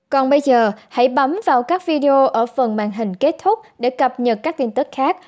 còn bây giờ hãy bấm vào các video ở phần màn hình kết thúc để cập nhật các tin tức khác